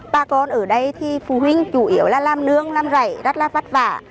ba con ở đây thì phụ huynh chủ yếu là làm nướng làm rảy rất là vất vả